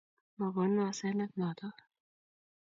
Ma konu hasenet notok